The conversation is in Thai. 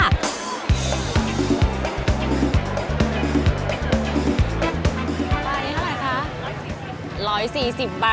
อันนี้เท่าไหร่ค่ะ